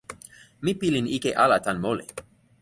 mi pilin ike ala tan moli.